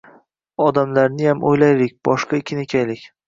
Odamlarniyam o‘ylaylik, boshqa ekin ekaylik.